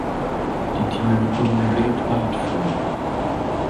Die Tiere kommen weltweit vor.